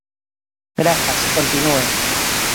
Grazas, continúe.